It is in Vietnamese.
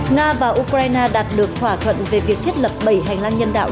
nga và ukraine đạt được thỏa thuận về việc thiết lập bảy hành lang nhân đạo